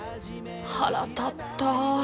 腹立った。